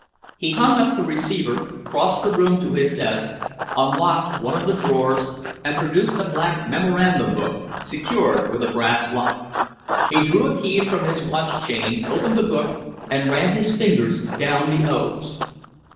He hung up the receiver, crossed the room to his desk, unlocked one of the drawers, and produced a black memorandum book, secured with a brass lock. He drew a key from his watch chain, opened the book, and ran his fingers down the O's.